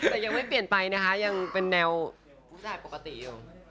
แต่ยังไม่เปลี่ยนไปนะคะยังเป็นแนวผู้ชายปกติอยู่